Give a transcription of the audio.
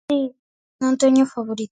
Si, non teño favori-.